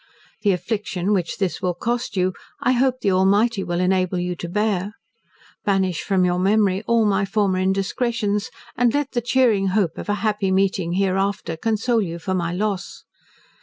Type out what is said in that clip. The affliction which this will cost you, I hope the Almighty will enable you to bear. Banish from your memory all my former indiscretions, and let the cheering hope of a happy meeting hereafter, console you for my loss.